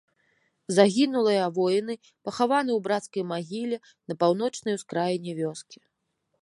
Загінулыя воіны пахаваны ў брацкай магіле на паўночнай ускраіне вёскі.